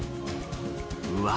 うわ！